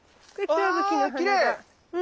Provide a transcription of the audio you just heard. あきれい！